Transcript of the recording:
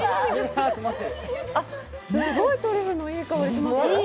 すごいトリュフのいい香りします。